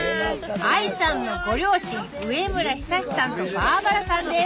ＡＩさんのご両親植村久さんとバーバラさんです